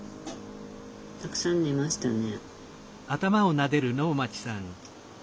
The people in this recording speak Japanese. たくさん寝ましたね。